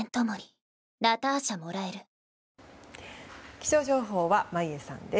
気象情報は眞家さんです。